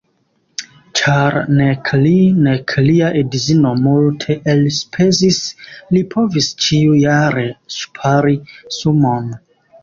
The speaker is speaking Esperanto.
Ĉar nek li, nek lia edzino multe elspezis, li povis ĉiujare ŝpari sumon.